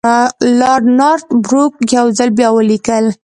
لارډ نارت بروک یو ځل بیا ولیکل.